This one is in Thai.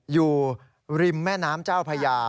อยู่ริมแม่น้ำเจ้าพญา